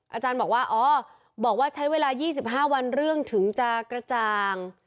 อาจารย์บอกว่าอ๋อบอกว่าใช้เวลายี่สิบห้าวันเรื่องถึงจากกระจาง